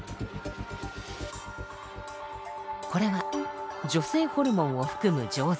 これは女性ホルモンを含む錠剤。